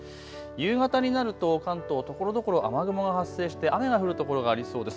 夕方になると関東ところどころ雨雲が発生して雨が降る所がありそうです。